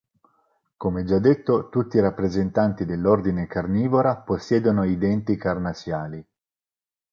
Come già detto, tutti i rappresentanti dell'ordine Carnivora possiedono i denti carnassiali.